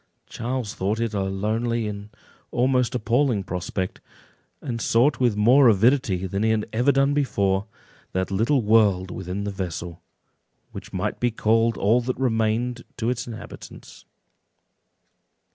Charles thought it a lonely and almost appalling prospect, and sought with more avidity than he had ever done before, that little world within the vessel, which might be called all that remained to its inhabitants.